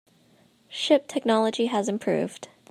Ship technology has improved.